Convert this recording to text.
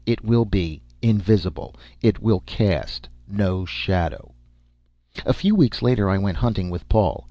It will be invisible. It will cast no shadow." A few weeks later I went hunting with Paul.